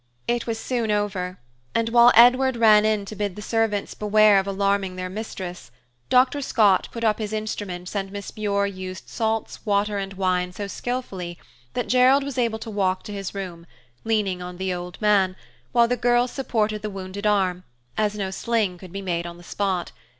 It was soon over, and while Edward ran in to bid the servants beware of alarming their mistress, Dr. Scott put up his instruments and Miss Muir used salts, water, and wine so skillfully that Gerald was able to walk to his room, leaning on the old man, while the girl supported the wounded arm, as no sling could be made on the spot.